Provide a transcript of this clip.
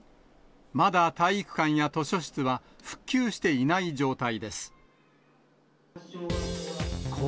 まだ体育館や図書室は復旧していない状態です。